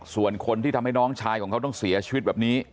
ส่วนคนที่ทำให้น้องชายของเขาต้องเสียชีวิตแบบนี้